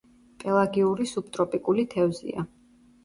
პელაგიური სუბტროპიკული თევზია.